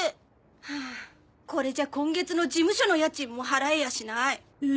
はあこれじゃ今月の事務所の家賃も払えやしない。